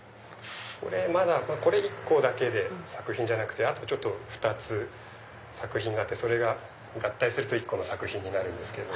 これ１個だけで作品じゃなくてあと２つ作品があってそれが合体すると１個の作品になるんですけれども。